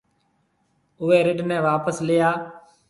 اُوئي رڍ نَي واپس ليَ آ۔